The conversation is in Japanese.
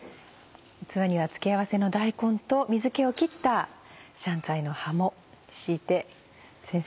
器には付け合わせの大根と水気を切った香菜の葉も敷いて先生